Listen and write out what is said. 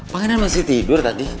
pangeran masih tidur tadi